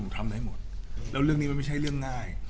ผมทำได้หมดแล้วเรื่องนี้มันไม่ใช่เรื่องง่าย